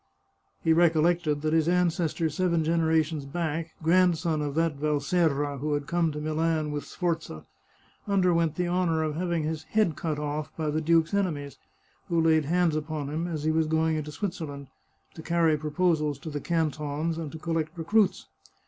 " He recollected that his ancestor seven generations back, grandson of that Valserra who had come to Milan with Sforza, underwent the honour of having his head cut off by the duke's enemies, who laid hands upon him as he was going into Switzerland, to carry proposals to the cantons and to collect recruits.